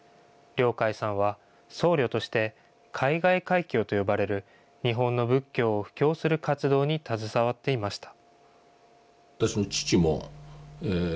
亮誡さんは、僧侶として海外開教と呼ばれる日本の仏教を布教する活動に携わっていました。